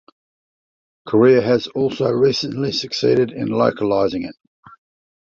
Korea has also recently succeeded in localizing it.